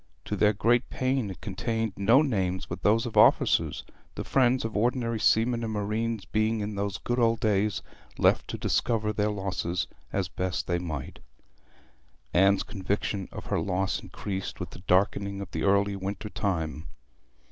To their great pain it contained no names but those of officers, the friends of ordinary seamen and marines being in those good old days left to discover their losses as best they might. Anne's conviction of her loss increased with the darkening of the early winter time.